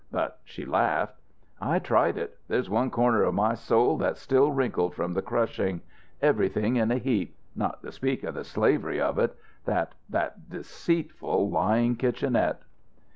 But she laughed. "I tried it. There's one corner of my soul that's still wrinkled from the crushing. Everything in a heap. Not to speak of the slavery of it. That that deceitful, lying kitchenette."